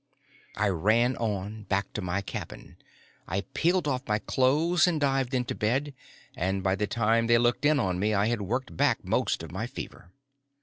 I ran on, back to my cabin. I peeled off my clothes and dived into bed, and by the time they looked in on me I had worked back most of my fever.